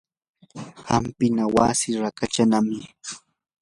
hampina wasi raqallanami.